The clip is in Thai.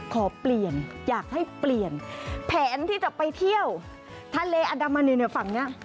ขอเปลี่ยนอยากให้เปลี่ยนแผนที่จะไปเที่ยวทะเลอันดามันอยู่ในฝั่งนี้